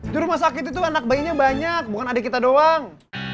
jurma sakit itu anak bayinya banyak bukan adek kita doang